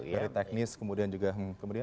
dari teknis kemudian juga kemudian